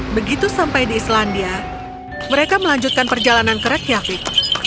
begitu sampai di islandia mereka melanjutkan perjalanan ke rekyafiq